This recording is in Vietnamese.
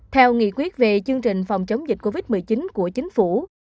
theo nghị quyết về chương trình phòng chống dịch covid một mươi chín của chính phủ